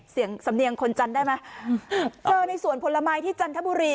สำเนียงคนจันทร์ได้ไหมเจอในสวนผลไม้ที่จันทบุรี